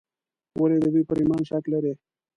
ولې د دوی پر ایمان شک لري.